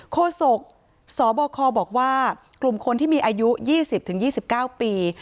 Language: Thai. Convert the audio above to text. โศกสบคบอกว่ากลุ่มคนที่มีอายุ๒๐๒๙ปี